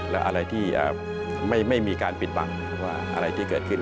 และอะไรที่ไม่มีการปิดบังว่าอะไรที่เกิดขึ้น